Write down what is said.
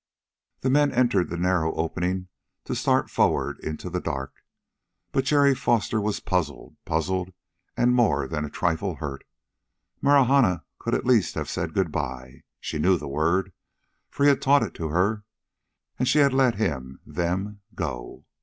The men entered the narrow opening to start forward into the dark. But Jerry Foster was puzzled, puzzled and more than a trifle hurt. Marahna could at least have said good by. She knew the word, for he had taught it to her. And she had let him them go....